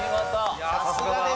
さすがです。